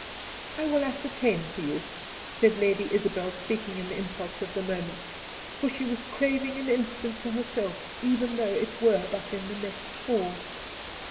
"I will ascertain for you," said Lady Isabel, speaking in the impulse of the moment; for she was craving an instant to herself, even though it were but in the next hall.